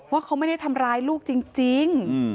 ว่าเขาไม่ได้ทำร้ายลูกจริง